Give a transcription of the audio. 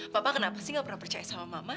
bapak kenapa sih gak pernah percaya sama mama